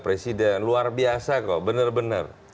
presiden luar biasa kok bener bener